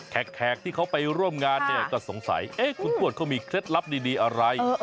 แขกที่เขาไปร่วมงานเนี่ยก็สงสัยคุณทวดเขามีเคล็ดลับดีอะไร